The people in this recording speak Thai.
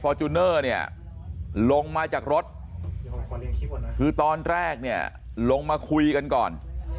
จูเนอร์เนี่ยลงมาจากรถคือตอนแรกเนี่ยลงมาคุยกันก่อน